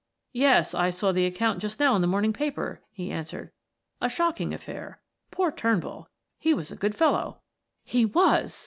"Yes. I saw the account just now in the morning paper," he answered. "A shocking affair. Poor Turnbull! He was a good fellow." "He was!"